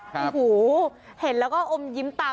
โอ้โหเห็นแล้วก็อมยิ้มตาม